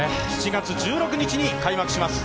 ７月１６日に開幕します。